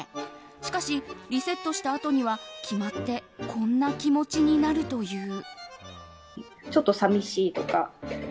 しかし、リセットしたあとには決まってこんな気持ちになるという。